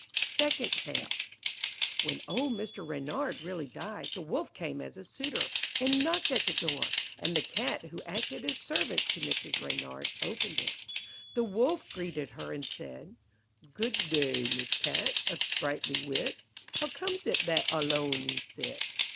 Second Tale When old Mr. Reynard really died, the Wolf came as a suitor, and knocked at the door, and the Cat who acted as servant to Mrs. Reynard, opened it. The Wolf greeted her, and said 'Good day, Miss Cat, of sprightly wit, How comes it that alone you sit?